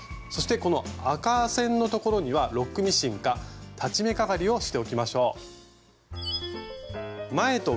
そしてこの赤線のところにはロックミシンか裁ち目かがりをしておきましょう。